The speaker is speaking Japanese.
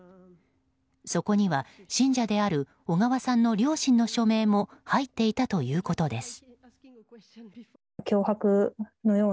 そこには、信者である小川さんの両親の署名も入っていたということです。